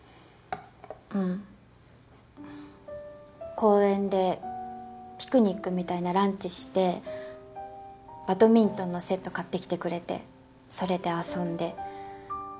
公園でピクニックみたいなランチしてバドミントンのセット買ってきてくれてそれで遊んで。